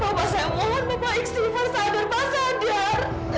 bapak saya mohon bapak iksilver sadar pasadar